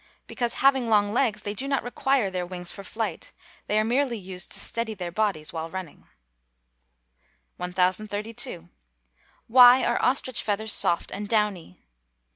_ Because, having long legs, they do not require their wings for flight; they are merely used to steady their bodies while running. 1032. _Why are ostrich feathers soft and downy?